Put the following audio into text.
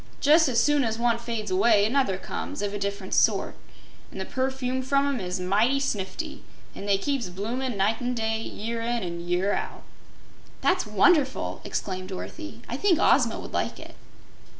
Jus' as soon as one fades away, another comes, of a different sort, an' the perfume from 'em is mighty snifty, an' they keeps bloomin' night and day, year in an' year out." "That's wonderful!" exclaimed Dorothy. "I think Ozma would like it."